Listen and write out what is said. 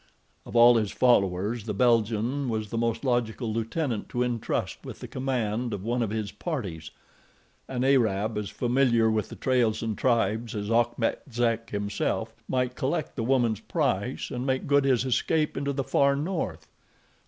Of all his followers, the Belgian was the most logical lieutenant to intrust with the command of one of the parties. An Arab, as familiar with the trails and tribes as Achmet Zek himself, might collect the woman's price and make good his escape into the far north.